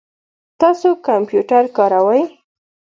تاسو کمپیوټر کاروئ؟